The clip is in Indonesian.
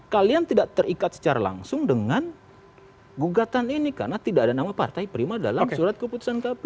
kalian tidak terikat secara langsung dengan gugatan ini karena tidak ada nama partai prima dalam surat keputusan kpu